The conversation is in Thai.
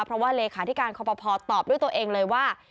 เพราะว่าเลขาธิการคอปภตอบด้วยตัวเองเลยว่า